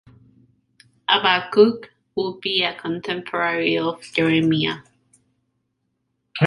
Habakkuk would be a contemporary of Jeremiah.